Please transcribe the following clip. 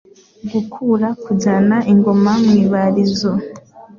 Gukura Kujvana ingoma mu ibarizo